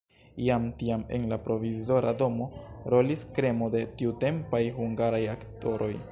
Jam tiam en provizora domo rolis kremo de tiutempaj hungaraj aktoroj.